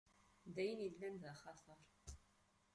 D ayen illan d axatar?